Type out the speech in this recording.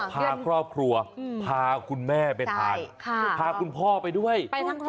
พาครอบครัวพาคุณแม่ไปทานพาคุณพ่อไปด้วย